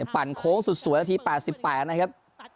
ปั่นโค้งสุดสวยนาที๘๘นะครับ